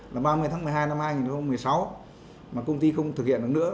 là ba mươi tháng một mươi hai năm hai nghìn một mươi sáu mà công ty không thực hiện được nữa